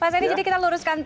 pak saini jadi kita luruskan